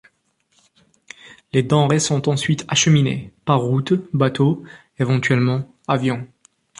Les denrées sont ensuite acheminées, par route, bateau, éventuellement avion.